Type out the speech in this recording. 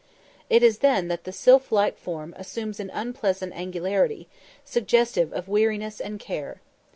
It is then that the sylph like form assumes an unpleasant angularity, suggestive of weariness and care.